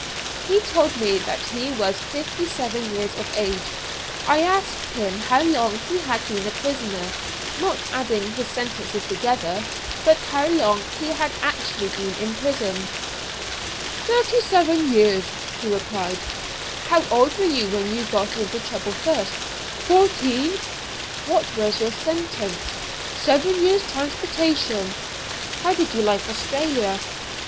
He told me that he was fifty seven years of age. I asked him how long he had been a prisoner, not adding his sentences together, but how long he had actually been in prison. "Thirty seven years," he replied. "How old were you when you got into trouble first?" "Fourteen." "What was your first sentence?" "Seven years' transportation." "How did you like Australia?"